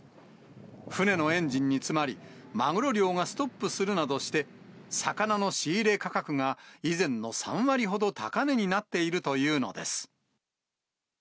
船のエンジンに詰まり、マグロ漁がストップするなどして、魚の仕入れ価格が以前の３割ほど高値になっているというのです。